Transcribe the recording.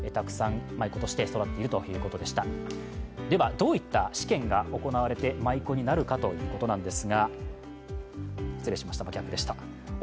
どういった試験が行われて舞子になるかということです。